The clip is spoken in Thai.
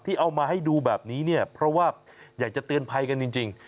เอามาให้ดูแบบนี้เนี่ยเพราะว่าอยากจะเตือนภัยกันจริง